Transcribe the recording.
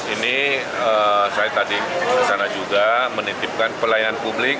ini saya tadi kesana juga menitipkan pelayanan publik